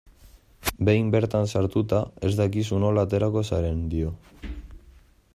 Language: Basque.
Behin bertan sartuta, ez dakizu nola aterako zaren, dio.